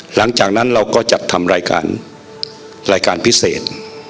หลังจากนั้นเราก็จัดทำรายการรายการพิเศษ